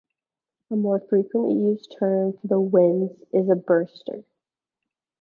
A more frequently used term for the winds is a "burster".